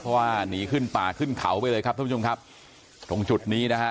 เพราะว่าหนีขึ้นป่าขึ้นเขาไปเลยครับท่านผู้ชมครับตรงจุดนี้นะฮะ